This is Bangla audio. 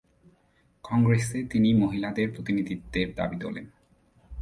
কংগ্রেসে তিনি মহিলাদের প্রতিনিধিত্বের দাবি তোলেন।